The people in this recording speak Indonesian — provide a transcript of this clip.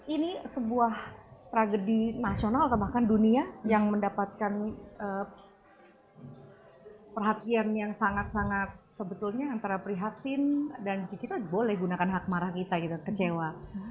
ini sebuah tragedi nasional atau bahkan dunia yang mendapatkan perhatian yang sangat sangat sebetulnya antara prihatin dan kita boleh gunakan hak marah kita gitu kecewa